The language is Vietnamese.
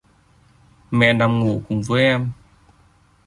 mẹ nằm ngủ cùng với em